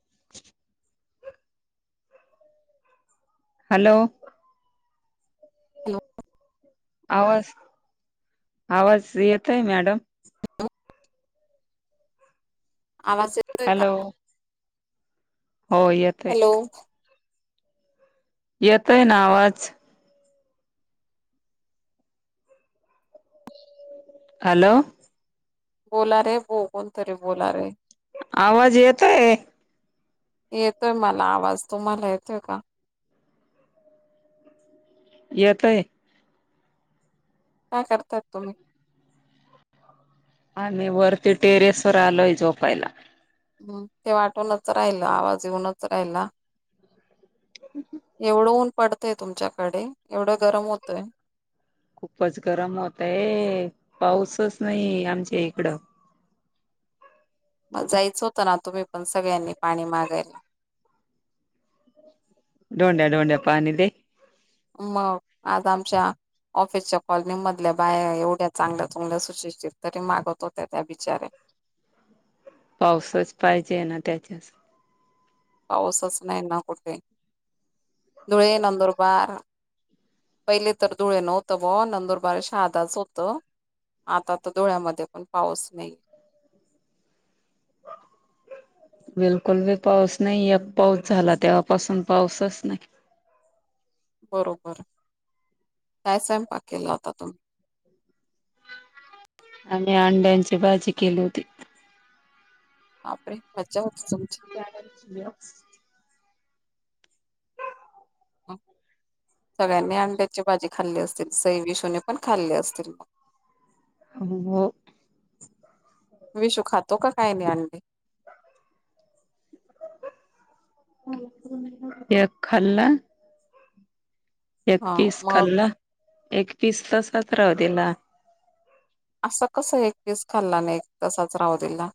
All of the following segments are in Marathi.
ह हॅलो ते आवाज आवाज येत आहे मॅडम हॅलो आवाज येतोय का हॅलो हो येत हॅलो येतोय ना आवाज हॅलो बोला रे ब कोणतरी बोला रे आवाज येतोय येतोय मला आवाज तुम्हाला येतोय का येत आहे काय करतात तुम्ही आणि वरती टेरेस वर आलोय झोपायला हम् ते वाटूनच राहिल आवाज येऊनच राहिला एवढं ऊन पडतय तुमच्याकडे एवढं गरम होतय खूपच गरम होतय पाऊसच नाही आमच्या इकडं मग जायचं होतं ना तुम्ही पण सगळ्यांनी पाणी मागायला [unintelligible] डोंड्या डंड्या पाणी ते मग आता आमच्या ऑफिसच्या कॉलनी मधल्या बाया एवढ्या चांगल्या चुंगल्या सुशिक्षित तरी मारत होत्या त्या बिचार्या पाऊसच पाहिजे ना त्याच्यास पाऊसच नाही ना कुठे धुळे नंदुरबार पहिले तर धुळे नव्हतं ब नंदुरबार शहादाच होतं आता तर डोळ्यामध्ये पण पाऊस नाहीये ह बिलकुल बी पाऊस नाही एक पाऊस झाला तेव्हापासून पाऊसच नाही बरोबर काय सायम पाक केला आता तुम्ही आम्ही अंड्यांची भाजी केली होती आपपरे मजावत तमज [unintelligible] सगळ्यांनी अंड्याची भाजी खाल्ली असतील सई विषून पण खाल्ले असतील मग हो विशू खातो काय नाही अंडी या खल्ला एक हा पीस मग खाल्ला एक पीस तसच रावतेला असं कसं एक वस खाल्ला नाही एक तसाच राव दिला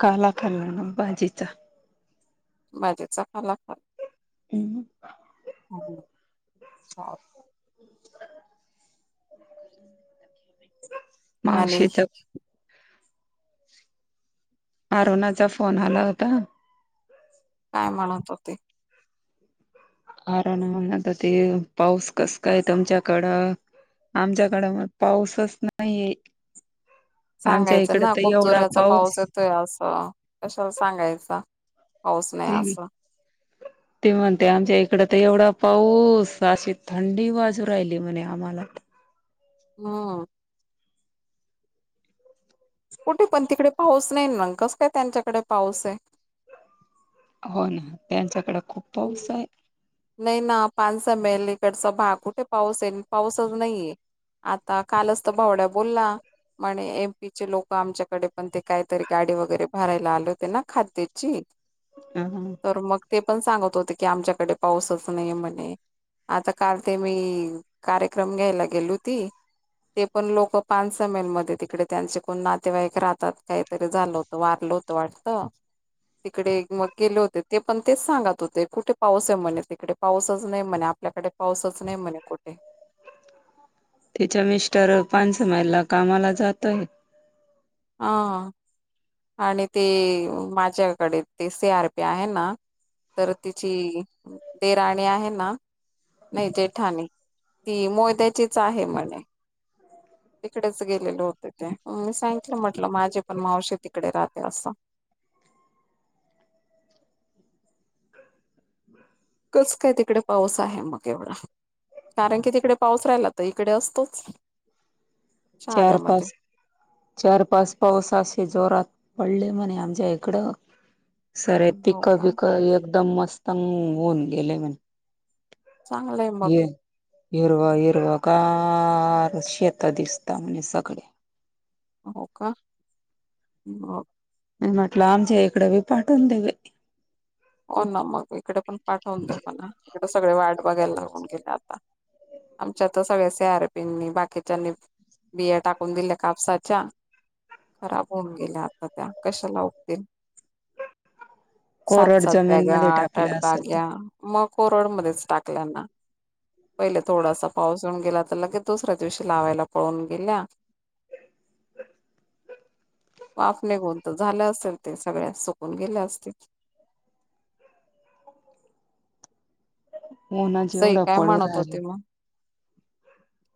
काला खाल्ला ना बाजीचा माझेचा खलाखा हम् सॉरी. अच्ा आणि अरुणाचा फोन आला होता काय म्हणत हो ते हरा ना म्ह तर ते पाऊस कस काय तुमच्याकडं आमच्याकडे मग पाऊसच नाहीे आमच्या इकड तर एवढा पाऊस त असं कशा सांगायचं हऊच नाही ते असं ते म्हणते आमच्या इकड तर एवढा पाऊस अशी थंडी बाजू राहिली म्हणे आम्हाला हम कुठे पण तिकडे पाऊस नाही ना कसं काय त्यांच्याकडे पाऊस आहे हो ना त्यांच्याकडे खूप पाऊस आहे नाही ना पान स एमे एलकडचा भाग कुठे पाऊस आहेल पाऊसच नाहीये आता कालच तर भावड्या बोलला म्हणे एमपीचे लोक आमच्याकडे पण ते काहीतरी गाडी वगैरे भरायला आले होते ना खाद्याची हम हा तर मग ते पण सांगत होते की आमच्याकडे पाऊसच नाही म्हणे आता काल ते मी कार्यक्रम घ्यायला गेले होती, ते पण लोक पानसमेलमध्ये तिकडे त्यांचे कोण नातेवाईक राहतात काहीतरी झालं होत, वारल होत वाटत तिकडे मग गेले होते ते पण तेच सांगत होते कुठे पाऊस, म्हणे तिकडे पाऊसच नाही म्हणे आपल्याकडे पाऊसच नाही म्हणे कुठे तिच्या मिस्टर पांच माईलला कामाला जातय. ह आणि ती माझ्याकडे ती सी आर पी आहे ना. तर तिची दे राणी आहे ना. नाही जे ठाणे ती मोहच्याचीच आहे म्हणे. तिकडेच गेलेले होते ते मी सांग. त म्हंटलं माझे पण मावशी तिकडे राहते असं. कस काय तिकडे पाऊस आहे मग एवढा कारण की तिकडे पाऊस राहिला तर इकडे असतोच. चार शहाद्यामध्ये पाच चार पाच पाऊस असे जोरात पडले म्हणे आमच्या इकडं सरे हो पिक का बिक एकदम मस्तंग होऊन गेले म चांगलंय मग ह हिरवा हिरवा गार शेतात दिसत, सगळे, हो का म्हटल आमच्या इकडं बी पाडुन दे बाई. हो ना मग इकडे पण पाठवुन दे मला इकडे सगळे वाठ बघायला लागुन गेले आता. आमच्या तर सगळ्या सी आरपीनी बाकीच्यानी बिया टाकुन दिल्या कापसाच्या खराब होऊन गेल्या आता त्या कशाला उगतील कोरड [inaudible] जमीन मध्ये टाकले असेल ते मग कोरड मध्येच टाकल्या पहिले थोडासा पाऊस होऊन गेला तर लगेच दुसऱ्या दिवशी लावायला पळुन गेल्या. वाफ निघुन तर झालं असेल ते सगळ्या सुकून गेल्या असतील. उन्हाच सई एवढं काय पडू म्हणत राहिलं होते मग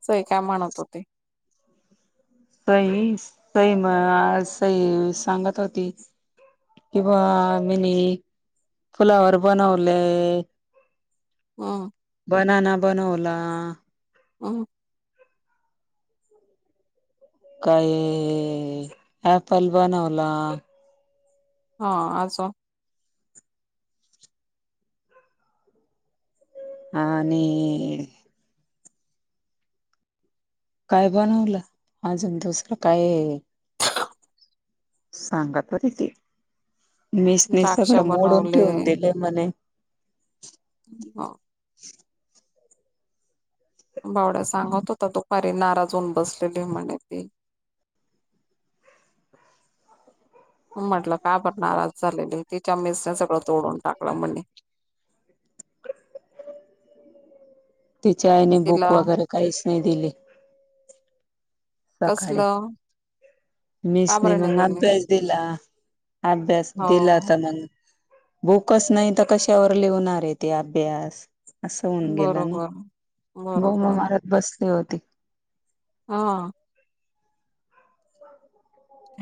सई काय म्हणत होते. काही काही सई सांगत होती. किंवा मिनी फुलावर बनवले. हम्म बनाना बनवला. हम्म काय ॲप्पल बनवला. हा आसो हा आणि काय बनवलं अजुन दुसरं काय. सांग होती ती मीसनी द्राक्ष सगळं मोडुन बनवले ठेवुन दिले म्हणे हो भावड्या सांगत होता दुपारी नाराज होऊन बसलेली म्हणे ती. म्हटलं का बर नाराज झालेली तिच्या मेसने सगळं तोडून टाकलं म्हणणे- तिच्या आईने बुक तिला वगैरे काहीच नाही दिली. कसलं मीस का बर नाही मग दिले अभ्यास दिला अभ्यास दिला हो तर मग बुकच नाही तर कशावर लिवणार आहे ते अभ्यास असं होऊन गेलं ना बरोबर. बोमा बरोबर मारत बसली होती. हा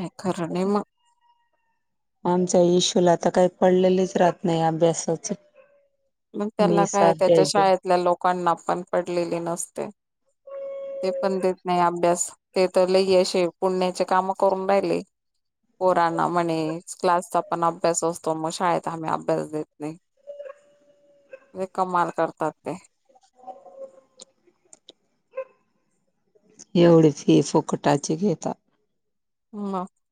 का खर नाही मग आमच्या ईशुला तर आता काही पडलेलेच राहत नाही अभ्यासाचे मग त्याला काय त्याच्या देते. शाळेतल्या लोकांना पण पडलेली नसते. ते पण देत नाही अभ्यास ते तर लई असे पुण्याचे काम करून राहिले. पोरांना म्हणे क्लासचा पण अभ्यास असतो मग शाळेत आम्ही अभ्यास देत नाही. म्हे कमाल करतात ते. एवढी फी फुकटाची घेेतात, [inaudible]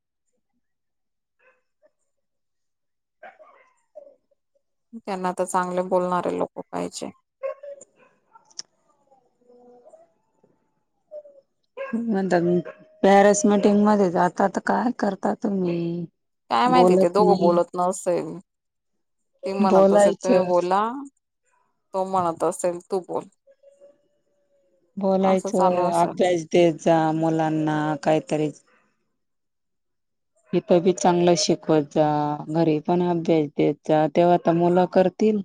त्यांना तर चांगले बोलणारे लोक पाहिजे, मण पॅरेसमेटिंग मध्ये जातात काय करता म्हणे काय माहिती ते दोघं बोलत नसेल ती म्हणत असेल तुम्ही बोलायचं बोला तो म्हणत असेल तू बोल असं चालू बोलायचं असेल अभ्यास द जा मुलांना काहीतरी इथं बी चांगलं शिकवायचा घरी पण अभ्यास द्यायचा तेव्हा तर मुलं करतील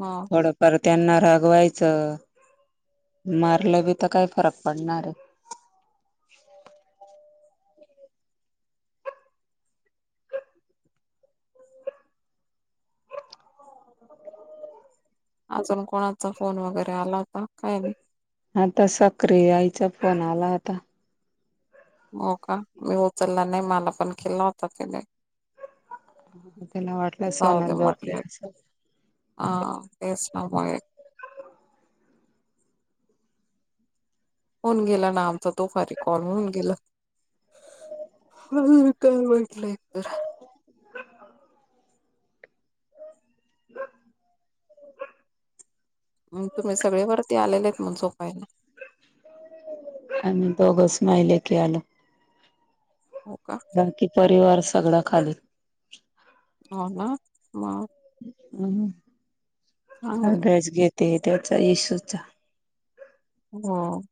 मग थोडंफार त्यांना रागवायचं मारलं बी तर काही फरक पडणार आहे. अजुन कोणाचा फोन वगैरे आला होता काय नाही. आता सक्रिय आईचा फोन आला आता हो का मी उचलला नाही मला पण केला होता तिने त्यांना वाटलं सोन झोपले असं ह तेच नामुळेय होऊन गेला नामचा तो फारी कॉल म्हणन गेला हम कालवाडलायतर [inaudible] ह म तुम्ही सगळे वरती आलेले आहेत म झोपायला आणि दोघस माहिले की आलो हो का बाकी परिवार सगळं खाली होना म हम चांगले अभ्याच घेते त्याचा इशूचा हम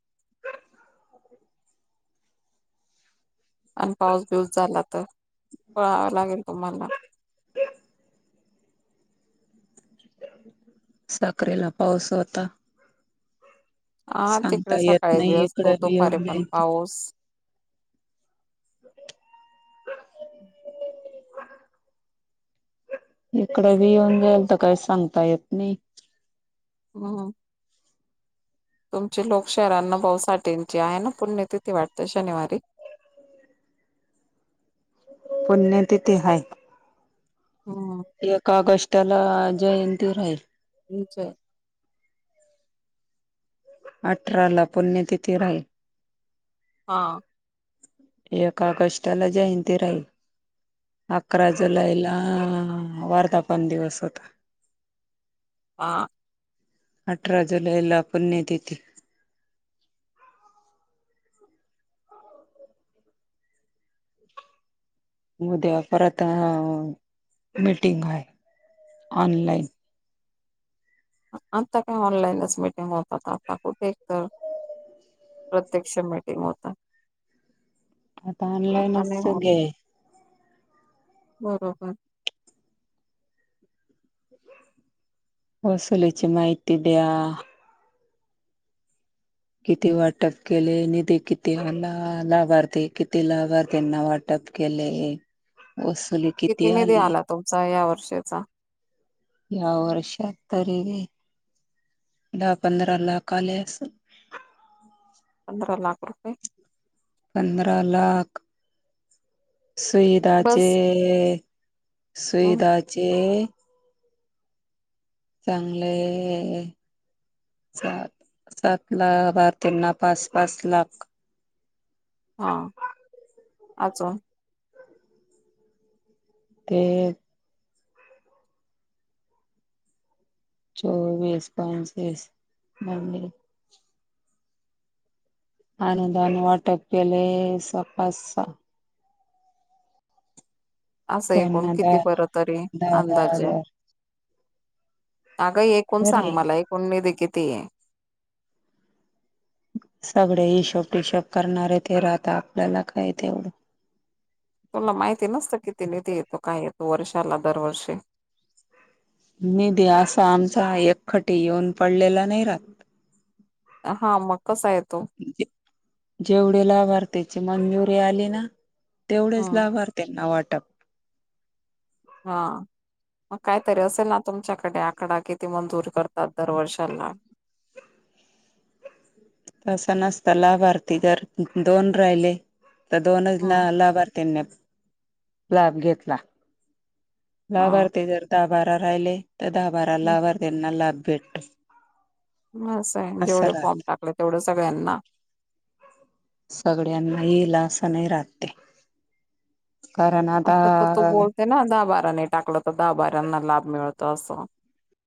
आणि पाऊस बिऊस झाला तर पळावा लागेल तुम्हाला क साखरेला पाऊस होता हा सांगता तिकडे येत सकाळी बि नाही असतो इकडं बी दुपारी येऊन पण जायचं पाऊस अ इकडे बी येऊन जाईल तर काही सांगता येत नाही हो तुमची लोक शहरांना बऊ साटेंची आहे ना पुण्य तिथती वाटते शनिवारी पु्य तिथ आहे हो एका ऑगस्टला जयंती राहील निचय अठरा ला पुण्यतिथी राहील हा एक ऑगस्टला जयंती राहील अकरा बरोबर जुलैला हा वारधा पन दिवस होता ह अठरा जुलै ला पुण्यतिथी उद्या परत मीटिंग आहे ऑनलाइन आता काय ऑनलाईनच मिीटिंग होतात आता कुठे एक तर प्रत्यक्ष मीटिंग होत आता ऑनलाईनच ह सगळे बरोबर वसुलीची माहिती द्या किती वाटप केले निधी किती लाभार्थी किती लाभार्थीना वाट प केले किती निधी आला तुमचा या वर्षीचा? या वर्षात तरी दहा पंधरा लाख आले अस- पंधरा लाख रुपये पंधरा लाख स ाचे बस हम्म सुईधचे चांगले सात सात ला भार त्यांना पाच पाच लाख हा अचो ते चोवीस पंचवीस मंद आनंदान वाटप केले स्प असं एकण त्यांना द किती बरं तरी दहा दहा अंदाजे. हजार अगं एकूण तरी सांग मला एकूण मी दे किती आहे. सगळे हिशोब टिशोब करणारे ते राहता आपल्याला काही तेवढं. तुला माहिती नसतं किती निधी येतो काय येतो वर्षाला दरवर्षी निधी असा आमचा एक खटी येऊन पडलेला नाही राह हा मग कसा आहे तो जेवढे लाभार्थीची मंजुरी आली ना तेवढेच हम्म लाभार्थी त्यांना वाटप हा मग कायतरी असेल ना तुमच्याकडे आकडा किती मंजूर करतात दरवर्षाला तं नसत लाभारथी जर दोन राहिले तर दोनच ना हम्म लाभार्थीनी लाभ घेतला हा लाभार्थी जर दहा बारा राहिले तर दहा बारा हम्म. लाभार्थ्यांना लाभ भेटतो ह आहे असं जेवढे फॉर्म राहत टाकले तेवढं सगळ्यांना सगळ्यांना येईल असं नाही राहते आता तर तू बोलते ना दहा बारानी टाकलं तर दहा बारांना लाभ मिळतो असं